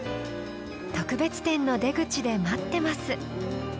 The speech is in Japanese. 特別展の出口で待ってます。